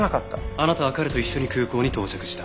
あなたは彼と一緒に空港に到着した。